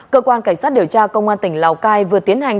cơ quan cảnh sát điều tra công an tỉnh lào cai vừa tiến hành